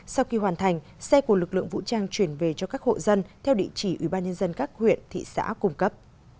sau khi hoàn thành xe của lực lượng vũ trang chuyển về cho các hộ dân theo địa chỉ ubnd các huyện thị xã cung cấp